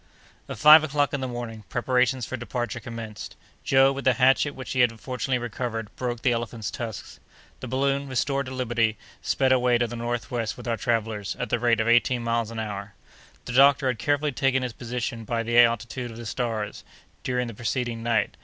At five o'clock in the morning, preparations for departure commenced. Joe, with the hatchet which he had fortunately recovered, broke the elephant's tusks. The balloon, restored to liberty, sped away to the northwest with our travellers, at the rate of eighteen miles per hour. The doctor had carefully taken his position by the altitude of the stars, during the preceding night.